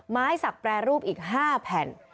ไม้สักแปรรูปอีก๕แผ่น